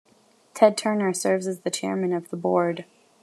Ted Turner serves as the chairman of the board.